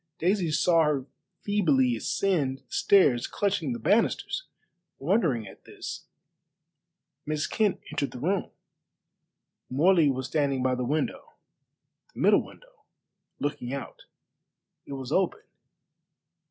Daisy saw her feebly ascend the stairs, clutching the banisters. Wondering at this, Miss Kent entered the room. Morley was standing by the window the middle window looking out. It was open.